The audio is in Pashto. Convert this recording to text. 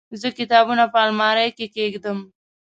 زه کتابونه په المارۍ کې کيږدم.